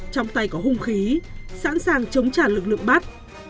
trong tay có hung khí sẵn sàng chống trả lực lượng bắt